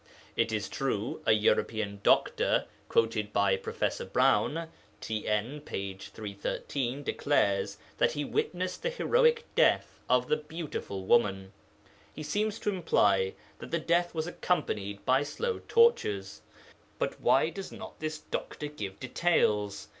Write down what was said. It is true, a European doctor, quoted by Prof. Browne (TN, p. 313), declares that he witnessed the heroic death of the 'beautiful woman.' He seems to imply that the death was accompanied by slow tortures. But why does not this doctor give details?